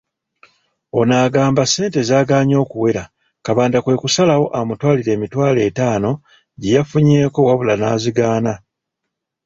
Ono agamba ssente zagaanye okuwera , Kabanda kwekusalawo amutwalire emitwalo etaano gye yafunyeeko wabula n'azigaana.